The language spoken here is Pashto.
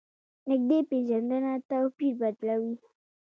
نږدې پېژندنه توپیر بدلوي.